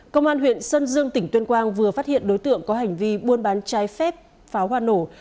công an huyện sơn dương tỉnh tuyên quang vừa phát hiện đối tượng có hành vi buôn bán trái phép pháo hoa nổ